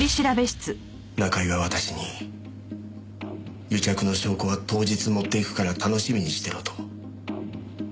中居が私に癒着の証拠は当日持っていくから楽しみにしてろと。